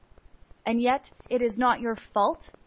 ''" And yet, is it not your fault—